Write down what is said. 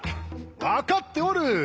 分かっておる！